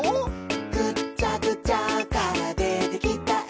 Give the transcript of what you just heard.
「ぐっちゃぐちゃからでてきたえ」